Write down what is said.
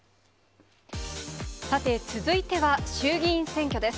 さて、続いては衆議院選挙です。